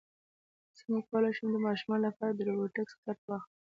څنګه کولی شم د ماشومانو لپاره د روبوټکس کټ واخلم